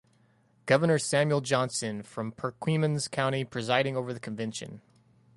Governor Samuel Johnston from Perquimans County presiding over the convention.